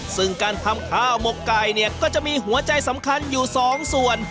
ซึ่งการทำข้าวหมกไก่เนี่ยก็จะมีหัวใจสำคัญอยู่สองส่วน